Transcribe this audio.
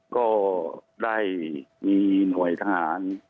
ก็ได้มีหน่วยทหาร